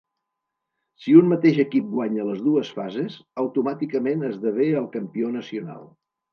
Si un mateix equip guanya les dues fases, automàticament esdevé el campió nacional.